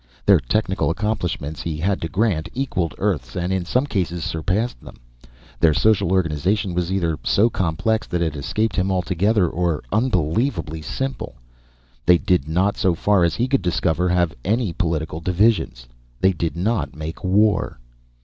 Their technical accomplishments, he had to grant, equalled Earth's and in some cases surpassed them. Their social organization was either so complex that it escaped him altogether, or unbelievably simple. They did not, so far as he could discover, have any political divisions. They did not make war.